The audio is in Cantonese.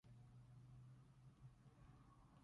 據理力爭